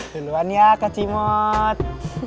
buruan ya kacimot